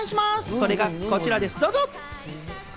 それがこちらです、どうぞ。